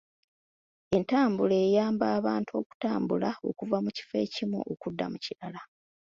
Entambula eyamba abantu okutambula okuva mu kifo ekimu okudda mu kirala.